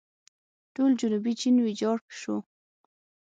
ټول جنوبي چین ویجاړ شو.